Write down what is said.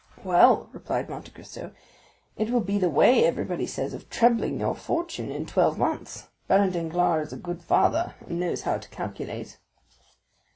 "Well," replied Monte Cristo, "it will be the way, everybody says, of trebling your fortune in twelve months. Baron Danglars is a good father, and knows how to calculate."